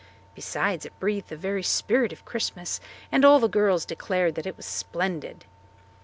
Besides, it breathed the very spirit of Christmas, and all the girls declared that it was splendid.